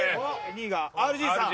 ２位がＲＧさん。